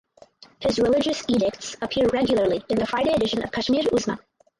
His religious edicts appear regularly in the Friday edition of Kashmir Uzma.